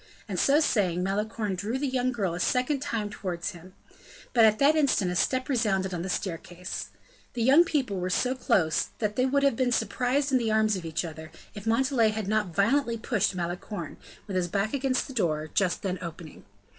And so saying, Malicorne drew the young girl a second time towards him. But at that instant a step resounded on the staircase. The young people were so close, that they would have been surprised in the arms of each other, if Montalais had not violently pushed Malicorne, with his back against the door, just then opening.